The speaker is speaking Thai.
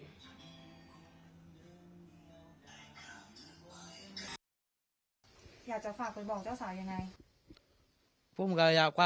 อยากจะฝากไปบอกเจ้าสาวยังไง